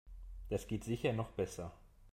Das geht sicher noch besser.